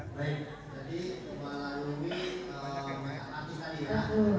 kita akan melalui makeup artis tadi ya